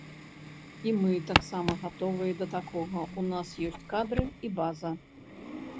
І мы таксама гатовыя да такога, у нас ёсць кадры і база.